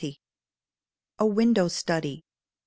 A WINDOW STUDY.